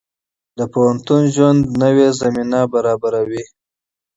د پوهنتون ژوند د ابتکار فرصت برابروي.